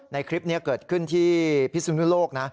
ในคลิปนี้เกิดขึ้นที่พิสุนุโลกนะ